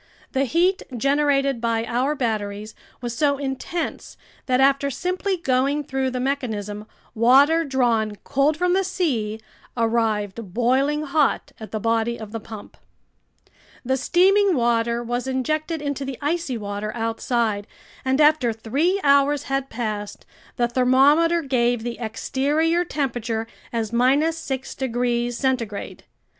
The heat generated by our batteries was so intense that after simply going through the mechanism, water drawn cold from the sea arrived boiling hot at the body of the pump. The steaming water was injected into the icy water outside, and after three hours had passed, the thermometer gave the exterior temperature as 6 degrees centigrade.